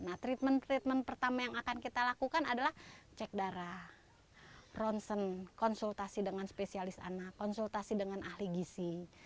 nah treatment treatment pertama yang akan kita lakukan adalah cek darah ronsen konsultasi dengan spesialis anak konsultasi dengan ahli gisi